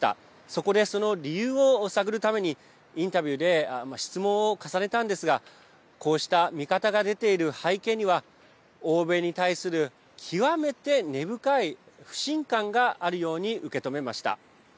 そこで、その理由を探るためにインタビューで質問を重ねたんですがこうした見方が出ている背景には欧米に対する極めて根深い不信感があるように受け止めました。